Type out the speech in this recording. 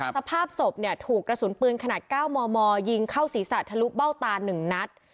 สภาพศพเนี่ยถูกกระสุนปืนขนาด๙มมยิงเข้าศีรษะทะลุเบ้าตา๑นัด